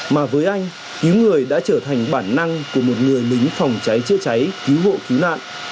mà với anh cứu người đã trở thành bản năng của một người lính phòng cháy chữa cháy cứu hộ cứu nạn